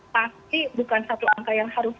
pasti bukan satu angka yang harus